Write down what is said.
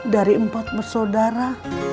dari empat bersaudara